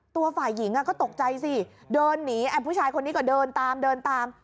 ตัวฝ่ายหญิงก็ตกใจสิเดินหนีผู้ชายคนนี้ก็เดินตามเดินตาม